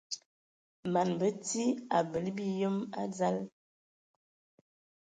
Man bəti abələ biyəm a dzal.